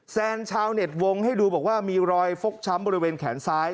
แซนชาวเน็ตวงให้ดูบอกว่ามีรอยฟกช้ำบริเวณแขนซ้าย